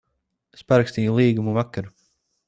Es parakstīju līgumu vakar.